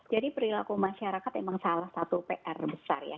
jadi perilaku masyarakat memang salah satu pr besar ya